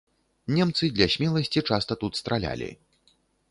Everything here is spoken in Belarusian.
Немцы для смеласці часта тут стралялі.